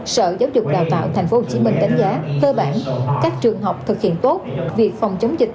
sở giáo dục đào tạo tp hcm đánh giá cơ bản các trường học thực hiện tốt việc phòng chống dịch